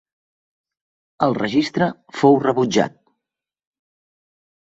El registre fou rebutjat.